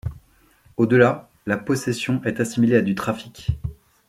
Au-delà, la possession est assimilée à du trafic.